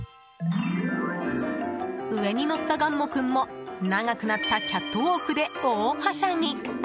上に乗った、がんも君も長くなったキャットウォークで大はしゃぎ。